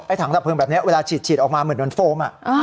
ไอ้ถังดับเพลิงแบบเนี้ยเวลาฉีดฉีดออกมาเหมือนโดนโฟมอ่ะอ่า